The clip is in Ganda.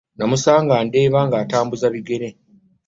Namusanga Ndeeba ng'atambuza bigere.